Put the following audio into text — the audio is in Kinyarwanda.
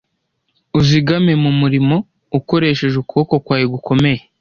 uzigame mu muriro ukoresheje ukuboko kwawe gukomeye